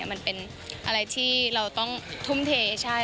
มันเป็นอะไรที่เราต้องทุ่มเทใช่